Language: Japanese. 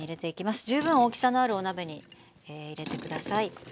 十分大きさのあるお鍋に入れて下さい。